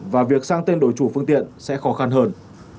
và việc sang tên đổi chủ phương tiện sẽ khó khăn hơn